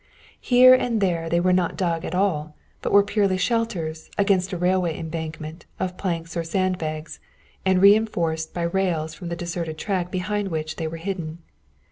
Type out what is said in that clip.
Here and there they were not dug at all, but were purely shelters, against a railway embankment, of planks or sandbags, and reinforced by rails from the deserted track behind which they were hidden.